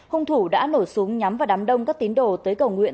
hung thủ đã nổ súng nhắm vào đám đông các tín đồ tới cầu nguyện